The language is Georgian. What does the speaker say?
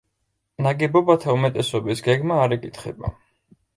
ნაგებობათა უმეტესობის გეგმა არ იკითხება.